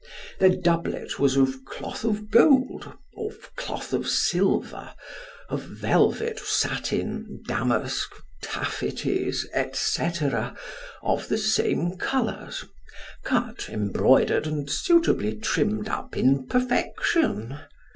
Their doublet was of cloth of gold, of cloth of silver, of velvet, satin, damask, taffeties, &c., of the same colours, cut, embroidered, and suitably trimmed up in perfection.